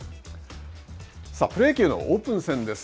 プロ野球のオープン戦です。